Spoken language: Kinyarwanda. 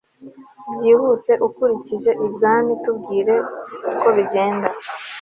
Byihuse ukurikije ibwamitubwire uko bigenda